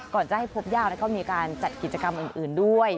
ก่อนจะให้พบยาวก็มีการจัดกิจกรรมอื่นด้วย